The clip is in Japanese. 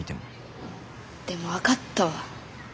でも分かったわ。